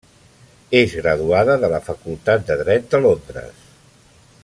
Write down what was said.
És graduada de la Facultat de Dret de Londres.